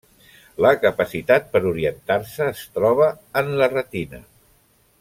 La capacitat per orientar-se es troba en la retina.